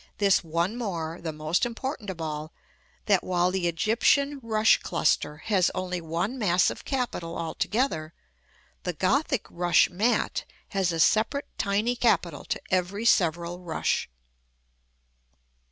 this one more the most important of all that while the Egyptian rush cluster has only one massive capital altogether, the Gothic rush mat has a separate tiny capital to every several rush.